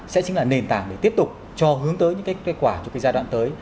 sẽ chính là nền tảng để tiếp tục cho hướng tới những cái kết quả cho cái giai đoạn tới